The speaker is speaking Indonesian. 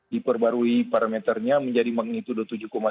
diperbarui parameternya menjadi magnitudo tujuh satu